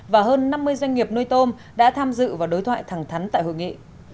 và hơn năm mươi doanh nghiệp nuôi tôm đã tham dự và đối thoại thẳng thắn tại hội nghị